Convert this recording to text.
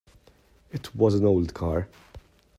It was an old car.